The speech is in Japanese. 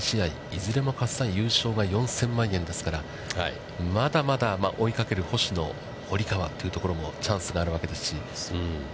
いずれも、加瀬さん、優勝は４０００万円ですから、まだまだ追いかける星野、堀川というところもチャンスがあるわけですし。